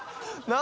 何？